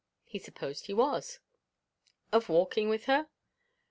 He supposed he was. Of walking with her?